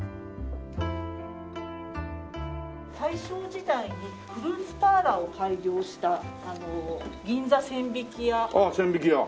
大正時代にフルーツパーラーを開業した銀座千疋屋。